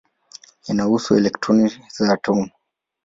Inahusu elektroni za atomu.